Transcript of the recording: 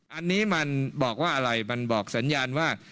อันนี้มันบอกว่าอะไรมันบอกสัญญาณว่า